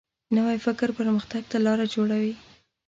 نوی فکر پرمختګ ته لاره جوړوي